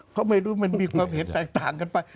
เขาไม่รู้มันมีความเห็นแตกต่างกันไป